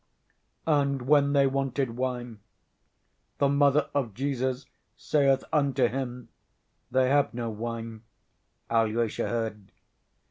"And when they wanted wine, the mother of Jesus saith unto him, They have no wine" ... Alyosha heard.